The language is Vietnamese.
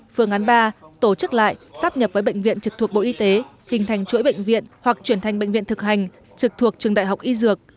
phương án ba tổ chức lại sắp nhập với bệnh viện trực thuộc bộ y tế hình thành chuỗi bệnh viện hoặc chuyển thành bệnh viện thực hành trực thuộc trường đại học y dược